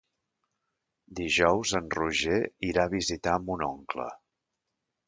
Dijous en Roger irà a visitar mon oncle.